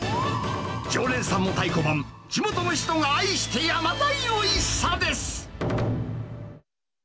常連さんも太鼓判、地元の人が愛してやまないおいしさです。